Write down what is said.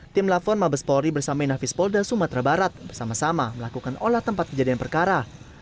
tim lafon mabes polri bersama inafis polda sumatera barat bersama sama melakukan olah tempat kejadian perkara